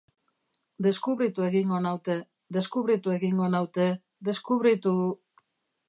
Deskubritu egingo naute, deskubritu egingo naute, deskubritu...